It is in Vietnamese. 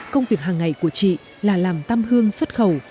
công việc hàng ngày của chị là làm tam hương xuất khẩu